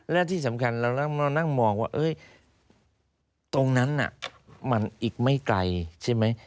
และที่สำคัญเรานั่งมองว่าตรงนั้นมันอีกไม่ไกลใช่ไหม